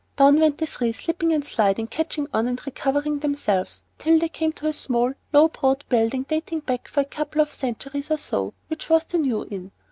Down went the three, slipping and sliding, catching on and recovering themselves, till they came to a small, low browed building dating back for a couple of centuries or so, which was the "New Inn."